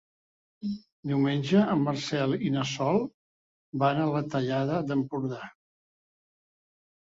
Diumenge en Marcel i na Sol van a la Tallada d'Empordà.